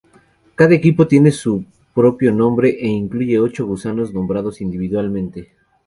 Cada equipo tiene su propio nombre e incluye ocho gusanos nombrados individualmente.